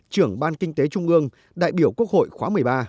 trưởng ban kinh tế trung ương đại biểu quốc hội khóa một mươi ba